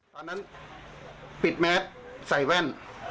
ตอนนั้นปิดแมสใส่แว่น